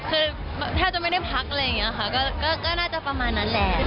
คือแทบจะไม่ได้พักอะไรอย่างนี้ค่ะก็น่าจะประมาณนั้นแหละ